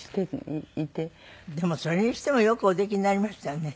でもそれにしてもよくおできになりましたよね。